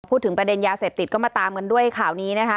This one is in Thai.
พูดถึงประเด็นยาเสพติดก็มาตามกันด้วยข่าวนี้นะคะ